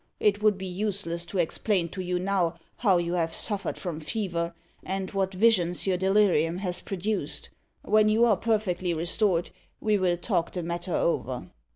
It would be useless to explain to you now how you have suffered from fever, and what visions your delirium has produced. When you are perfectly restored, we will talk the matter over."